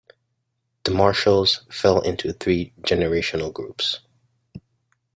The Marshals fell into three generational groups.